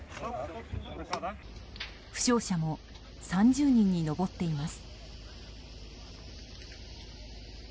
負傷者も３０人に上っています。